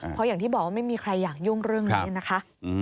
เพราะอย่างที่บอกว่าไม่มีใครอยากยุ่งเรื่องนี้นะคะ